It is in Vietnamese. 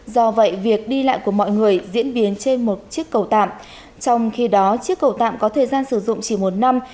do vậy việc đi lại của mọi người diễn biến trên một chiếc cầu tạm trong khi đó chiếc cầu tạm có thời gian sử dụng chỉ một năm